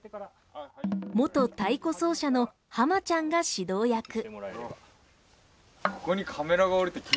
元太鼓奏者のはまちゃんが指導役。